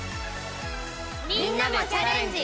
みんなも「チャレンジ！